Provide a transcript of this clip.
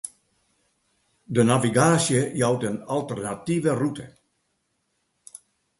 De navigaasje jout in alternative rûte.